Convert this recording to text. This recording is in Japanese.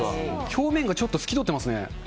表面がちょっと透き通ってますね。